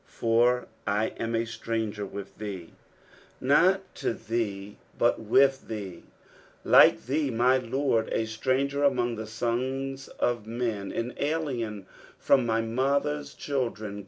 " For I am a ttranger with thee." Not (o thee, but ailh thee. Like thee, my Lord, a stranger among the sons of men, an alien from my mother's children.